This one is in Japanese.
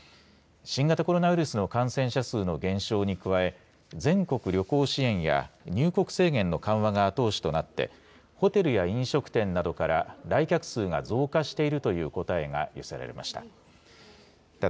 新型コロナウイルスの感染者数の減少に加え、全国旅行支援や、入国制限の緩和が後押しとなって、ホテルや飲食店などから来客数が増加しているという答えが寄せられました。